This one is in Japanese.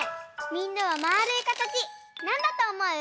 みんなはまあるいかたちなんだとおもう？